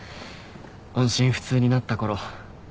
音信不通になったころ。